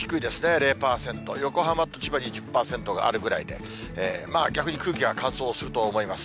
０％、横浜と千葉、１０％があるぐらいで、まあ、逆に空気が乾燥すると思います。